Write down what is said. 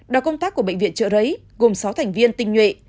đoàn công tác của bệnh viện chợ rấy gồm sáu thành viên tinh nhuệ